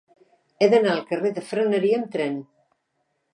He d'anar al carrer de Freneria amb tren.